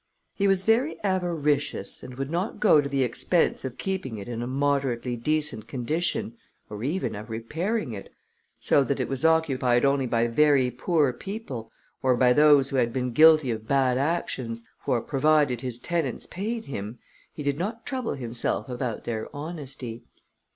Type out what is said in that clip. He was very avaricious, and would not go to the expense of keeping it in a moderately decent condition, or even of repairing it, so that it was occupied only by very poor people, or by those who had been guilty of bad actions, for, provided his tenants paid him, he did not trouble himself about their honesty.